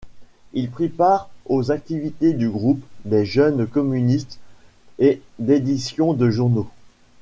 Il prit part aux activités du groupe des jeunes communistes et d'édition de journaux.